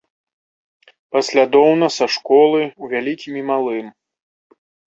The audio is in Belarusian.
Паслядоўна, са школы, у вялікім і малым.